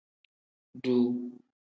Duu.